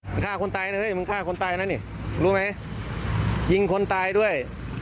ฆ่าคนตายเลยเฮ้ยมึงฆ่าคนตายนะนี่รู้ไหมยิงคนตายด้วย